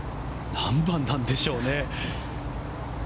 何番なんでしょうね。